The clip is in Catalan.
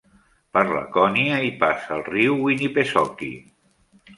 Per Laconia hi passa el riu Winnipesaukee.